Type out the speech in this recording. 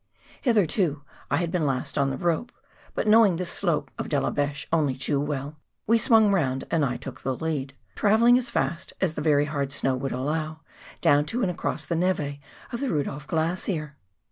Hitherto I had been last on the rope, but knowing this slope of De la Beche only too well, we swung round and I took the lead, travelling as fast as the very hard snow would allow, down to and across the neve of the Rudolph Glacier.